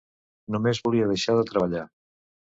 Només volia deixar de treballar.